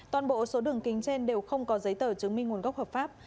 toàn bộ số đường kính trên đều không có giấy tờ chứng minh nguồn gốc hợp pháp